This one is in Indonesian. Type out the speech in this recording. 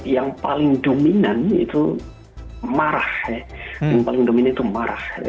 yang paling dominan itu marah